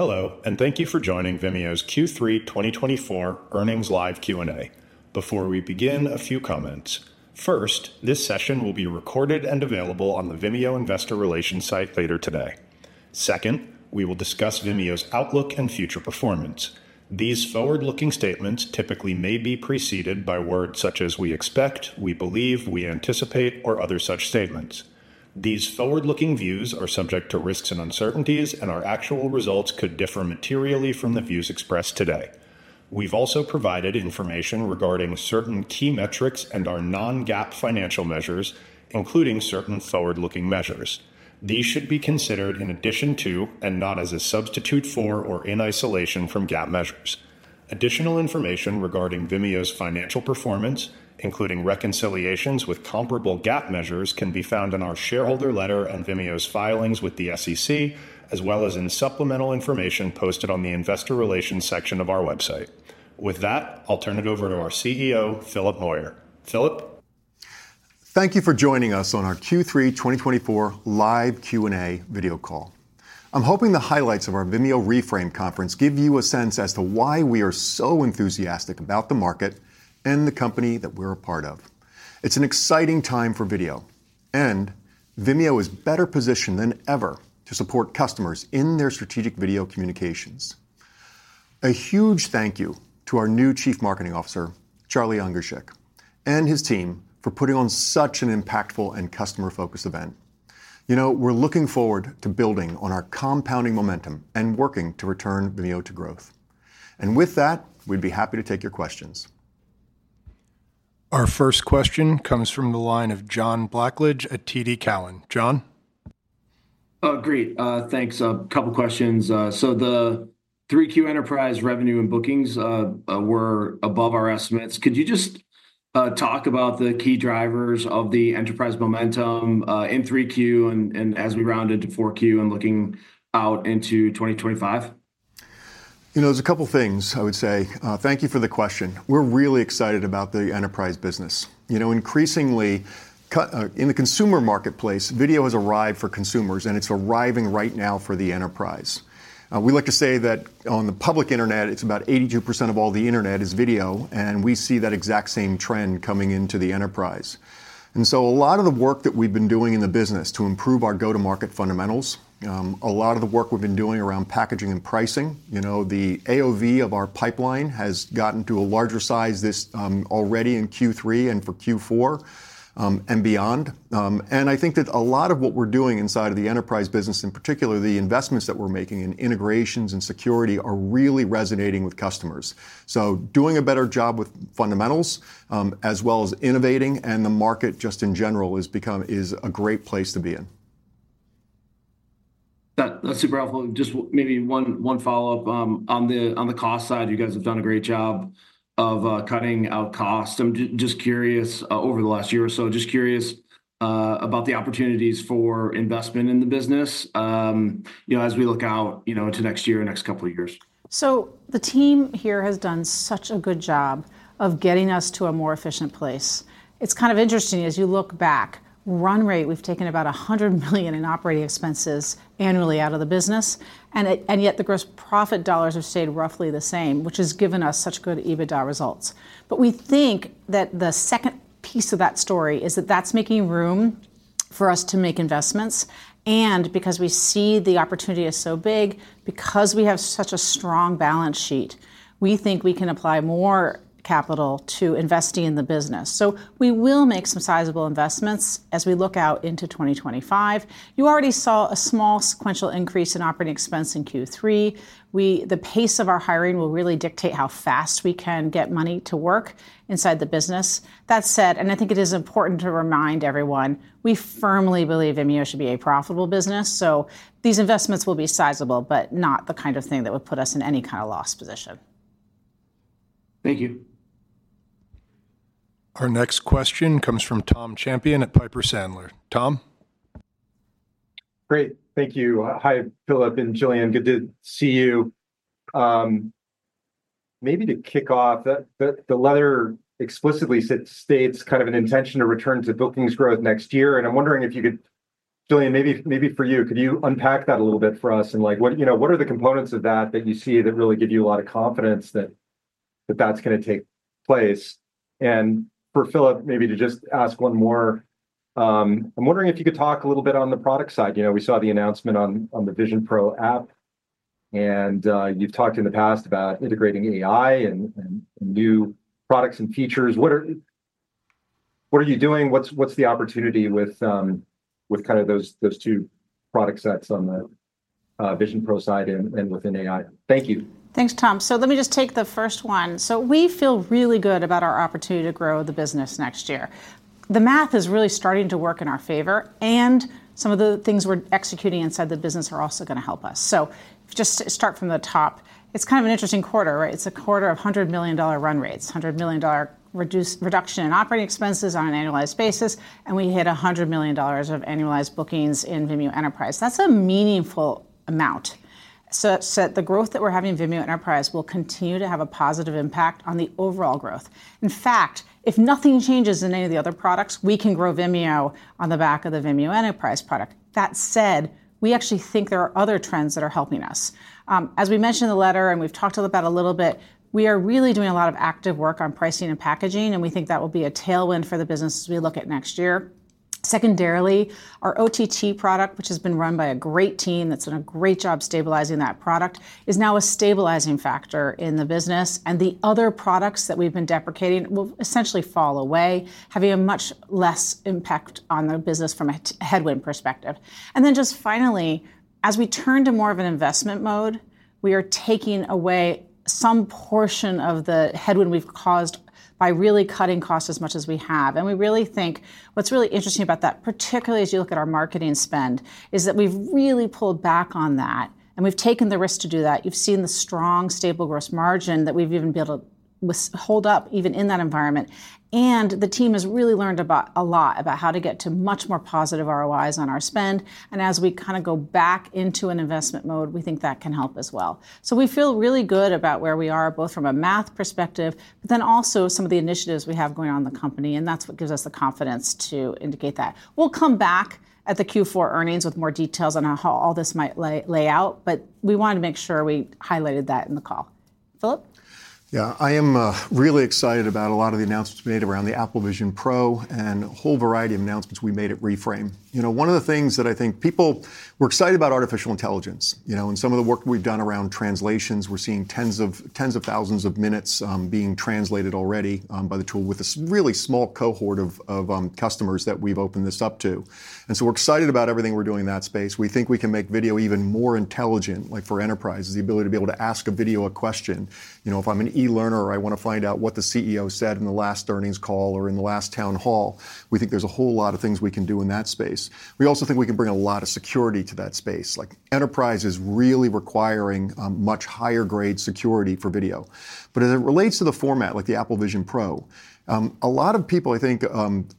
Hello, and thank you for joining Vimeo's Q3 2024 earnings live Q&A. Before we begin, a few comments. First, this session will be recorded and available on the Vimeo Investor Relations site later today. Second, we will discuss Vimeo's outlook and future performance. These forward-looking statements typically may be preceded by words such as "we expect," "we believe," "we anticipate," or other such statements. These forward-looking views are subject to risks and uncertainties, and our actual results could differ materially from the views expressed today. We've also provided information regarding certain key metrics and our non-GAAP financial measures, including certain forward-looking measures. These should be considered in addition to, and not as a substitute for or in isolation from GAAP measures. Additional information regarding Vimeo's financial performance, including reconciliations with comparable GAAP measures, can be found in our shareholder letter and Vimeo's filings with the SEC, as well as in supplemental information posted on the Investor Relations section of our website. With that, I'll turn it over to our CEO, Philip Moyer. Philip? Thank you for joining us on our Q3 2024 live Q&A video call. I'm hoping the highlights of our Vimeo Reframe Conference give you a sense as to why we are so enthusiastic about the market and the company that we're a part of. It's an exciting time for video, and Vimeo is better positioned than ever to support customers in their strategic video communications. A huge thank you to our new Chief Marketing Officer, Charlie Ungashick, and his team for putting on such an impactful and customer-focused event. You know, we're looking forward to building on our compounding momentum and working to return Vimeo to growth, and with that, we'd be happy to take your questions. Our first question comes from the line of John Blackledge at TD Cowen. John? Great. Thanks. A couple of questions. So the 3Q enterprise revenue and bookings were above our estimates. Could you just talk about the key drivers of the enterprise momentum in 3Q and as we round into 4Q and looking out into 2025? You know, there's a couple of things I would say. Thank you for the question. We're really excited about the enterprise business. You know, increasingly in the consumer marketplace, video has arrived for consumers, and it's arriving right now for the enterprise. We like to say that on the public internet, it's about 82% of all the internet is video, and we see that exact same trend coming into the enterprise. And so a lot of the work that we've been doing in the business to improve our go-to-market fundamentals, a lot of the work we've been doing around packaging and pricing, you know, the AOV of our pipeline has gotten to a larger size this already in Q3 and for Q4 and beyond. And I think that a lot of what we're doing inside of the enterprise business, in particular the investments that we're making in integrations and security, are really resonating with customers. So doing a better job with fundamentals as well as innovating, and the market just in general has become a great place to be in. That's super helpful. Just maybe one follow-up. On the cost side, you guys have done a great job of cutting out cost. I'm just curious, over the last year or so, just curious about the opportunities for investment in the business, you know, as we look out, you know, into next year and next couple of years. So the team here has done such a good job of getting us to a more efficient place. It's kind of interesting, as you look back, run rate, we've taken about $100 million in operating expenses annually out of the business, and yet the gross profit dollars have stayed roughly the same, which has given us such good EBITDA results. But we think that the second piece of that story is that that's making room for us to make investments. And because we see the opportunity is so big, because we have such a strong balance sheet, we think we can apply more capital to investing in the business. So we will make some sizable investments as we look out into 2025. You already saw a small sequential increase in operating expense in Q3. The pace of our hiring will really dictate how fast we can get money to work inside the business. That said, and I think it is important to remind everyone, we firmly believe Vimeo should be a profitable business. So these investments will be sizable, but not the kind of thing that would put us in any kind of loss position. Thank you. Our next question comes from Tom Champion at Piper Sandler. Tom? Great. Thank you. Hi, Philip and Gillian. Good to see you. Maybe to kick off, the letter explicitly states kind of an intention to return to bookings growth next year, and I'm wondering if you could, Gillian, maybe for you, could you unpack that a little bit for us, and like, what are the components of that that you see that really give you a lot of confidence that that's going to take place, and for Philip, maybe to just ask one more, I'm wondering if you could talk a little bit on the product side. You know, we saw the announcement on the Vision Pro app, and you've talked in the past about integrating AI and new products and features. What are you doing? What's the opportunity with kind of those two product sets on the Vision Pro side and within AI? Thank you. Thanks, Tom. So let me just take the first one. So we feel really good about our opportunity to grow the business next year. The math is really starting to work in our favor, and some of the things we're executing inside the business are also going to help us. So just to start from the top, it's kind of an interesting quarter, right? It's a quarter of $100 million run rates, $100 million reduction in operating expenses on an annualized basis, and we hit $100 million of annualized bookings in Vimeo Enterprise. That's a meaningful amount. So the growth that we're having in Vimeo Enterprise will continue to have a positive impact on the overall growth. In fact, if nothing changes in any of the other products, we can grow Vimeo on the back of the Vimeo Enterprise product. That said, we actually think there are other trends that are helping us. As we mentioned in the letter, and we've talked about it a little bit, we are really doing a lot of active work on pricing and packaging, and we think that will be a tailwind for the business as we look at next year. Secondarily, our OTT product, which has been run by a great team that's done a great job stabilizing that product, is now a stabilizing factor in the business, and the other products that we've been deprecating will essentially fall away, having a much less impact on the business from a headwind perspective, and then just finally, as we turn to more of an investment mode, we are taking away some portion of the headwind we've caused by really cutting costs as much as we have. We really think what's really interesting about that, particularly as you look at our marketing spend, is that we've really pulled back on that, and we've taken the risk to do that. You've seen the strong, stable gross margin that we've even been able to hold up even in that environment. The team has really learned a lot about how to get to much more positive ROIs on our spend. As we kind of go back into an investment mode, we think that can help as well. We feel really good about where we are, both from a math perspective, but then also some of the initiatives we have going on in the company. That's what gives us the confidence to indicate that. We'll come back at the Q4 earnings with more details on how all this might lay out, but we wanted to make sure we highlighted that in the call. Philip? Yeah, I am really excited about a lot of the announcements made around the Apple Vision Pro and a whole variety of announcements we made at Reframe. You know, one of the things that I think people were excited about artificial intelligence, you know, and some of the work we've done around translations. We're seeing tens of thousands of minutes being translated already by the tool with a really small cohort of customers that we've opened this up to. And so we're excited about everything we're doing in that space. We think we can make video even more intelligent, like for enterprises, the ability to be able to ask a video a question. You know, if I'm an e-learner or I want to find out what the CEO said in the last earnings call or in the last town hall, we think there's a whole lot of things we can do in that space. We also think we can bring a lot of security to that space, like enterprises really requiring much higher-grade security for video. But as it relates to the format, like the Apple Vision Pro, a lot of people, I think,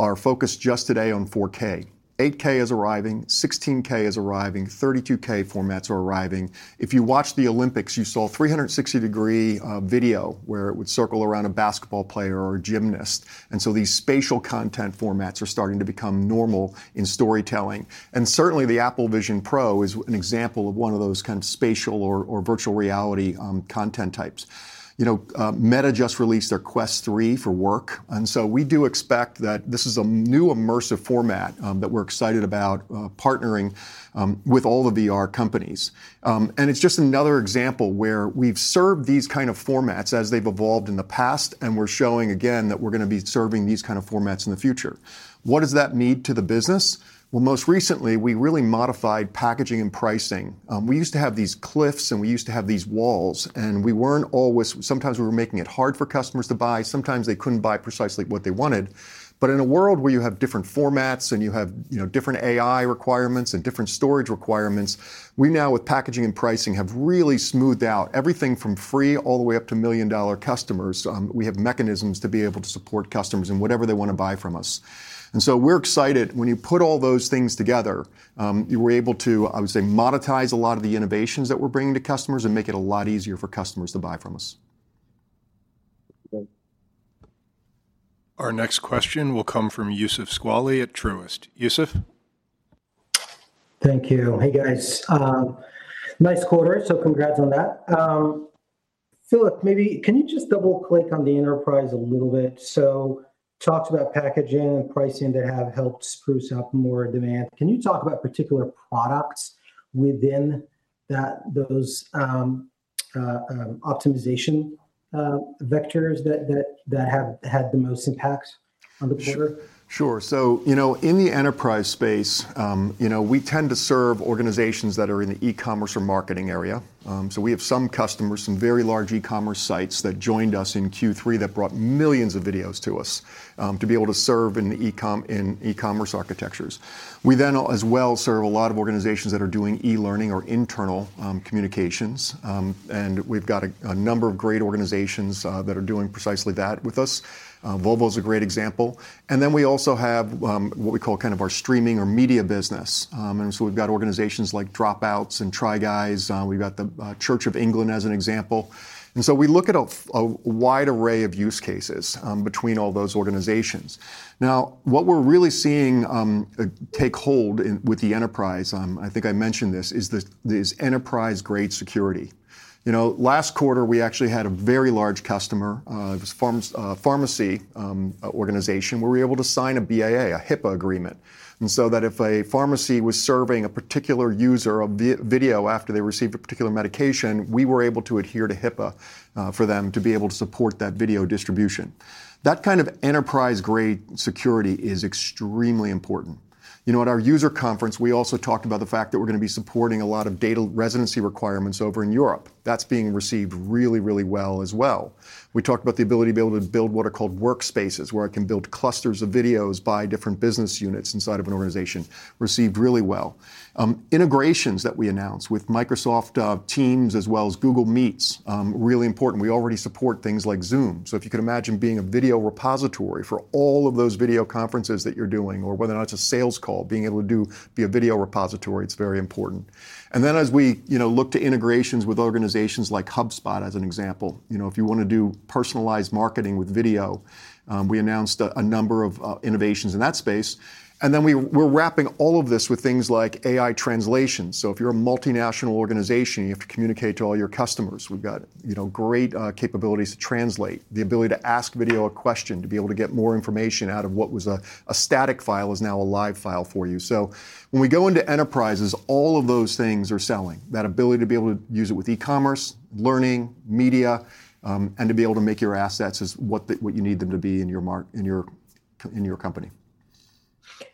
are focused just today on 4K. 8K is arriving, 16K is arriving, 32K formats are arriving. If you watched the Olympics, you saw 360-degree video where it would circle around a basketball player or a gymnast. And so these spatial content formats are starting to become normal in storytelling. Certainly, the Apple Vision Pro is an example of one of those kind of spatial or virtual reality content types. You know, Meta just released their Quest 3 for work. So we do expect that this is a new immersive format that we're excited about partnering with all the VR companies. It's just another example where we've served these kind of formats as they've evolved in the past, and we're showing again that we're going to be serving these kind of formats in the future. What does that mean to the business? Most recently, we really modified packaging and pricing. We used to have these cliffs, and we used to have these walls, and we weren't always, sometimes we were making it hard for customers to buy, sometimes they couldn't buy precisely what they wanted. But in a world where you have different formats and you have different AI requirements and different storage requirements, we now, with packaging and pricing, have really smoothed out everything from free all the way up to million-dollar customers. We have mechanisms to be able to support customers in whatever they want to buy from us. And so we're excited when you put all those things together, you were able to, I would say, monetize a lot of the innovations that we're bringing to customers and make it a lot easier for customers to buy from us. Our next question will come from Youssef Squali at Truist. Yusuf? Thank you. Hey, guys. Nice quarter, so congrats on that. Philip, maybe can you just double-click on the enterprise a little bit? So talked about packaging and pricing that have helped spruce up more demand. Can you talk about particular products within those optimization vectors that have had the most impact on the quarter? Sure. Sure. So, you know, in the enterprise space, you know, we tend to serve organizations that are in the e-commerce or marketing area. So we have some customers, some very large e-commerce sites that joined us in Q3 that brought millions of videos to us to be able to serve in e-commerce architectures. We then as well serve a lot of organizations that are doing e-learning or internal communications. And we've got a number of great organizations that are doing precisely that with us. Volvo is a great example. And then we also have what we call kind of our streaming or media business. And so we've got organizations like Dropout and Try Guys. We've got The Church of England as an example. And so we look at a wide array of use cases between all those organizations. Now, what we're really seeing take hold with the enterprise, I think I mentioned this, is enterprise-grade security. You know, last quarter, we actually had a very large customer. It was a pharmacy organization where we were able to sign a BAA, a HIPAA agreement, and so that if a pharmacy was serving a particular user of video after they received a particular medication, we were able to adhere to HIPAA for them to be able to support that video distribution. That kind of enterprise-grade security is extremely important. You know, at our user conference, we also talked about the fact that we're going to be supporting a lot of data residency requirements over in Europe. That's being received really, really well as well. We talked about the ability to be able to build what are called workspaces where I can build clusters of videos by different business units inside of an organization. Received really well. Integrations that we announced with Microsoft Teams as well as Google Meet. Really important. We already support things like Zoom. So if you could imagine being a video repository for all of those video conferences that you're doing, or whether or not it's a sales call, being able to be a video repository. It's very important. And then as we look to integrations with organizations like HubSpot as an example, you know, if you want to do personalized marketing with video, we announced a number of innovations in that space. And then we're wrapping all of this with things like AI translation. So if you're a multinational organization, you have to communicate to all your customers. We've got great capabilities to translate, the ability to ask video a question, to be able to get more information out of what was a static file. [That] is now a live file for you, so when we go into enterprises, all of those things are selling. That ability to be able to use it with e-commerce, learning, media, and to be able to make your assets is what you need them to be in your company.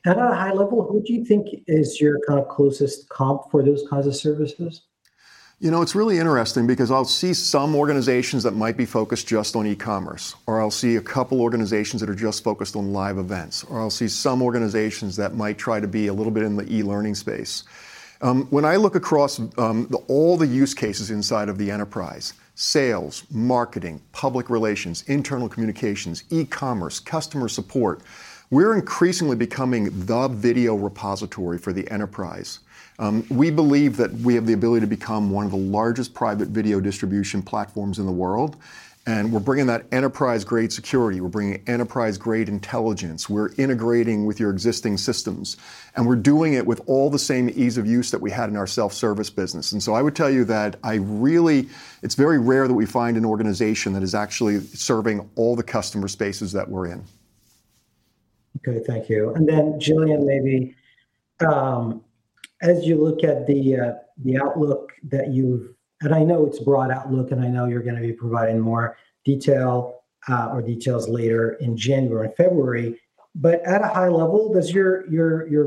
At a high level, who do you think is your kind of closest comp for those kinds of services? You know, it's really interesting because I'll see some organizations that might be focused just on e-commerce, or I'll see a couple of organizations that are just focused on live events, or I'll see some organizations that might try to be a little bit in the e-learning space. When I look across all the use cases inside of the enterprise, sales, marketing, public relations, internal communications, e-commerce, customer support, we're increasingly becoming the video repository for the enterprise. We believe that we have the ability to become one of the largest private video distribution platforms in the world, and we're bringing that enterprise-grade security. We're bringing enterprise-grade intelligence. We're integrating with your existing systems, and we're doing it with all the same ease of use that we had in our self-service business. And so I would tell you that I really, it's very rare that we find an organization that is actually serving all the customer spaces that we're in. Okay, thank you. And then Gillian, maybe as you look at the outlook that you've, and I know it's broad outlook, and I know you're going to be providing more detail or details later in January and February, but at a high level, does your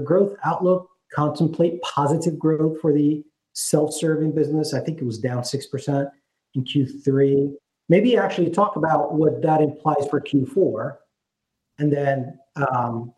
growth outlook contemplate positive growth for the self-serve business? I think it was down 6% in Q3. Maybe actually talk about what that implies for Q4, and then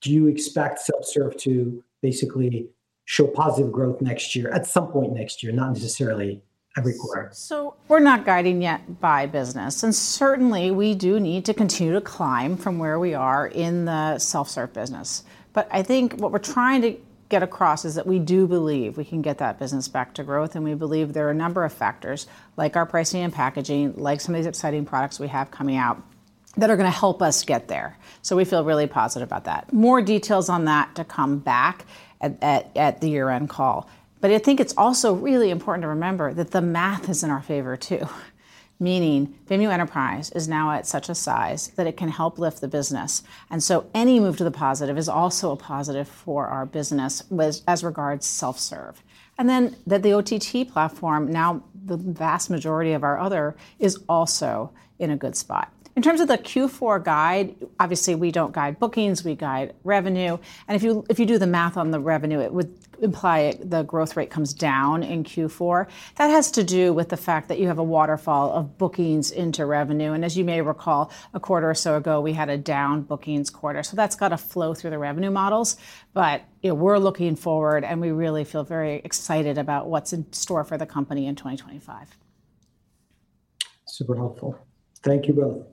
do you expect self-serve to basically show positive growth next year at some point next year, not necessarily every quarter? So we're not guiding yet by business, and certainly we do need to continue to climb from where we are in the self-serve business. But I think what we're trying to get across is that we do believe we can get that business back to growth, and we believe there are a number of factors like our pricing and packaging, like some of these exciting products we have coming out that are going to help us get there. So we feel really positive about that. More details on that to come back at the year-end call. But I think it's also really important to remember that the math is in our favor too, meaning Vimeo Enterprise is now at such a size that it can help lift the business. And so any move to the positive is also a positive for our business as regards self-serve. And then, the OTT platform, now the vast majority of our ARR, is also in a good spot. In terms of the Q4 guide, obviously we don't guide bookings, we guide revenue. And if you do the math on the revenue, it would imply the growth rate comes down in Q4. That has to do with the fact that you have a waterfall of bookings into revenue. And as you may recall, a quarter or so ago, we had a down bookings quarter. So that's got to flow through the revenue models. But we're looking forward, and we really feel very excited about what's in store for the company in 2025. Super helpful. Thank you both.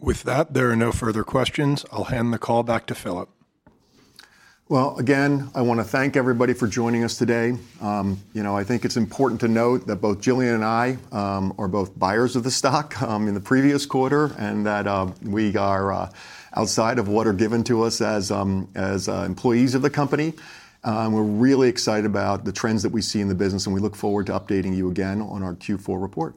With that, there are no further questions. I'll hand the call back to Philip. Again, I want to thank everybody for joining us today. You know, I think it's important to note that both Gillian and I are both buyers of the stock in the previous quarter and that we are outside of what are given to us as employees of the company. We're really excited about the trends that we see in the business, and we look forward to updating you again on our Q4 report.